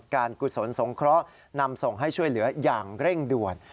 กุศลสงเคราะห์นำส่งให้ช่วยเหลืออย่างเร่งด่วน